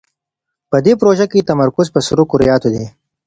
په دې پروژه کې تمرکز پر سرو کرویاتو دی.